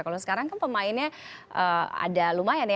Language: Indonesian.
kalau sekarang kan pemainnya ada lumayan ya